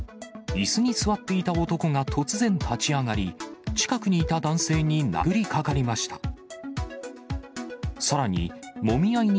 いすに座っていた男が突然立ち上がり、近くにいた男性に殴りかかりました。